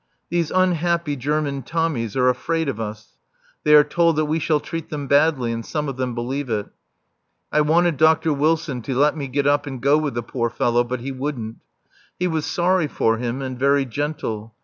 These unhappy German Tommies are afraid of us. They are told that we shall treat them badly, and some of them believe it. I wanted Dr. Wilson to let me get up and go with the poor fellow, but he wouldn't. He was sorry for him and very gentle.